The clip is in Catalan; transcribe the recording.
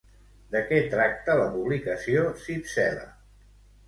De què tracta la publicació Cypsela?